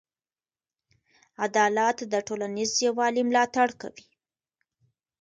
عدالت د ټولنیز یووالي ملاتړ کوي.